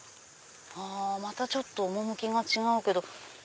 またちょっと趣が違うけど。